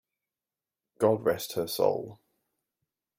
God rest her soul!